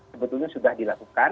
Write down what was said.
sebetulnya sudah dilakukan